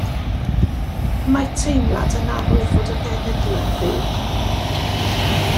Y mae teimlad yn arwydd fod y genedl yn fyw.